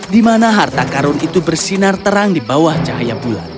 di mana harta karun itu bersinar terang di bawah cahaya bulan